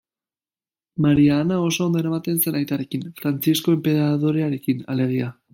Maria Ana oso ondo eramaten zen aitarekin, Frantzisko enperadorearekin, alegia.